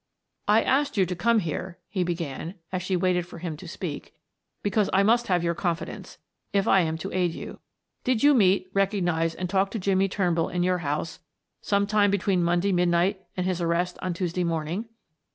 "I asked you to come here," he began, as she waited for him to speak, "Because I must have your confidence if I am to aid you. Did you meet, recognize, and talk to Jimmie Turnbull in your house sometime between Monday midnight and his arrest on Tuesday morning?"